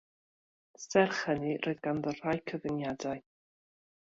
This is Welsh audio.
Serch hynny, roedd ganddo rai cyfyngiadau.